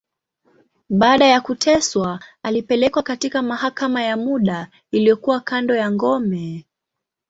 Baada ya kuteswa, alipelekwa katika mahakama ya muda, iliyokuwa kando ya ngome.